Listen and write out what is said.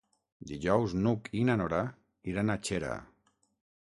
Dijous n'Hug i na Nora iran a Xera.